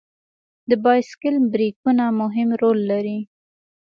د بایسکل بریکونه مهم رول لري.